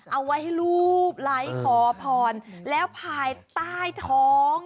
เอาไว้ให้รูปไลค์ขอพรแล้วภายใต้ท้อง